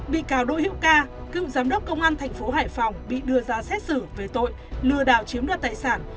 bị cáo đỗ hữu ca cựu giám đốc công an thành phố hải phòng bị đưa ra xét xử về tội lừa đảo chiếm đoạt tài sản